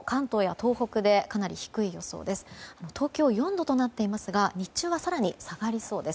東京、４度となっていますが日中は更に下がりそうです。